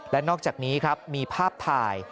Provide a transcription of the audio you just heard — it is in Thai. และนอกจากนี้ครับมีภาพถ่าย